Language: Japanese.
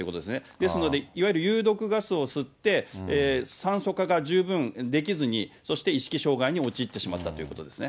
ですので、有毒ガスを吸って、酸素化が十分できずに、そして意識障害に陥ってしまったということですね。